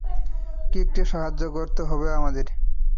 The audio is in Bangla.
রিককে সাহায্য করতে হবে আমাদের!